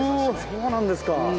そうなんですか。